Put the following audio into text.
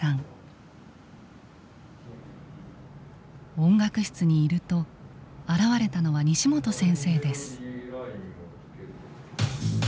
音楽室にいると現れたのは西本先生です。